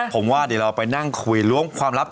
ผมว่าเดี๋ยวเราไปนั่งคุยล้วงความลับ